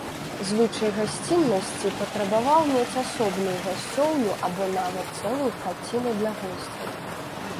Звычай гасціннасці патрабаваў мець асобную гасцёўню або нават цэлую хаціну для госцяў.